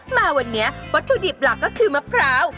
มาวันนี้วัตถุดิบหลักก็คือมะพร้าว